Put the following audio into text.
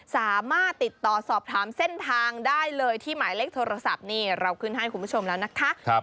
สามารถติดต่อสอบถามเส้นทางได้เลยที่หมายเลขโทรศัพท์นี่เราขึ้นให้คุณผู้ชมแล้วนะคะ